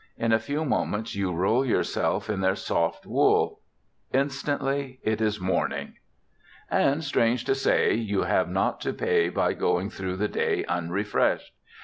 In a few moments you roll yourself in their soft wool. Instantly it is morning. And, strange to say, you have not to pay by going through the day unrefreshed.